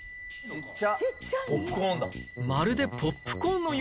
ちっちゃ。